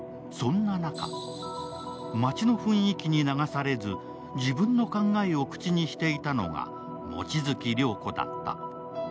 そんな中、町の雰囲気に流されず自分の考えを口にしていたのが望月良子だった。